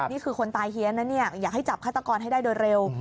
นี่คือคนตายเฮียนนะเนี่ยอยากให้จับฆาตกรให้ได้โดยเร็ว